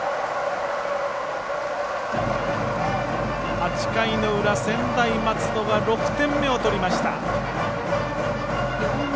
８回の裏、専大松戸が６点目を取りました。